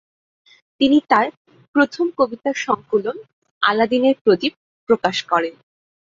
তিনি তার প্রথম কবিতার সংকলন আলাদিনের প্রদীপ প্রকাশ করেন।